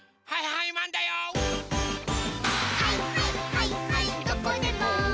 「はいはいはいはいマン」